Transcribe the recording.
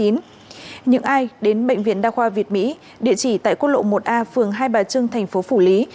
những ai đến bệnh viện đa khoa việt mỹ địa chỉ tại quốc lộ một a phường hai bà trưng thành phố phủ lý